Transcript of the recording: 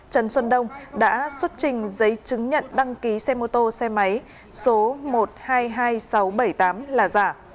trần xuân đông đã xuất trình giấy chứng nhận đăng ký xe mô tô xe máy số một trăm hai mươi hai nghìn sáu trăm bảy mươi tám là giả